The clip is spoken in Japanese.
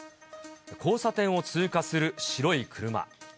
交差点を通過する白い車。